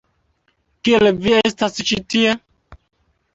Kiel vi estas ĉi tie?